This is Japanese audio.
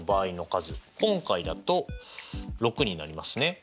今回だと６になりますね。